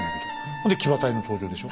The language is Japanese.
ほんで騎馬隊の登場でしょ。